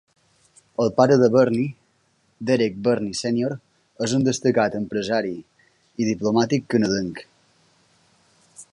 El pare de Burney, Derek Burney sènior és un destacat empresari i diplomàtic canadenc.